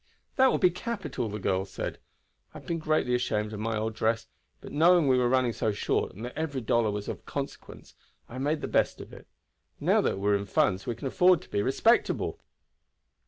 "That will be capital," the girl said. "I have been greatly ashamed of my old dress, but knowing we were running so short, and that every dollar was of consequence, I made the best of it; now that we are in funds we can afford to be respectable."